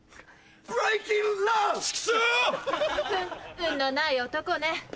運のない男ね。